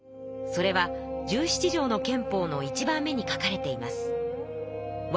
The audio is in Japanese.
それは十七条の憲法の１番目に書かれています。